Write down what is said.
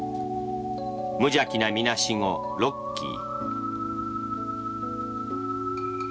無邪気なみなしご・ロッキー。